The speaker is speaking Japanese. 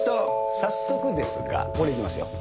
早速ですが、これいきますよ。